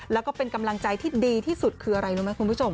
แล้วก็เป็นกำลังใจที่ดีที่สุดคืออะไรรู้ไหมคุณผู้ชม